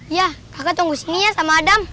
iya kakak tunggu sini ya sama adam